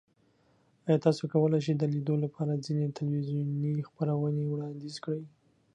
ایا تاسو کولی شئ د لیدو لپاره ځینې تلویزیوني خپرونې وړاندیز کړئ؟